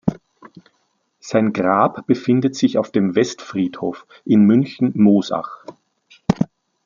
Sein Grab befindet sich auf dem Westfriedhof in München-Moosach.